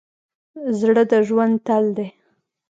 زړه د ژوند تل دی.